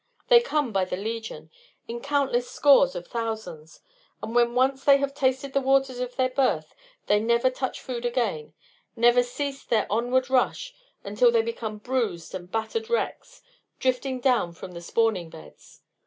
They come by the legion, in countless scores of thousands; and when once they have tasted the waters of their birth they never touch food again, never cease their onward rush until they become bruised and battered wrecks, drifting down from the spawning beds.